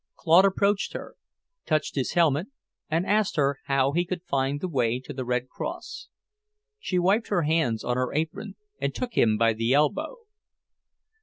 Claude approached her, touched his helmet, and asked her how one could find the way to the Red Cross. She wiped her hands on her apron and took him by the elbow.